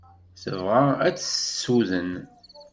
Tebɣa ad t-tessuden.